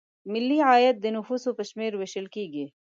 ملي عاید د نفوسو په شمېر ویشل کیږي.